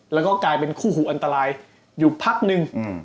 แล้วก็กลายเป็นคู่หูอันตรายอยู่พักนึง